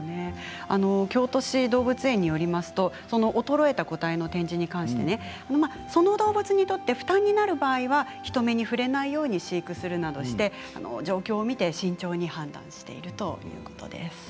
京都市動物園によりますと衰えた個体の展示に関してその動物にとって負担になる場合は、人目に触れないように飼育するなどして状況を見て慎重に判断しているということです。